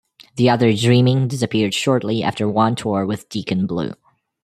The other Dreaming disappeared shortly after one tour with Deacon Blue.